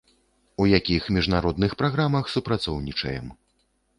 У якіх міжнародных праграмах супрацоўнічаем.